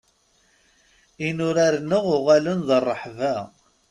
Inurar-nneɣ uɣalen d rrehba.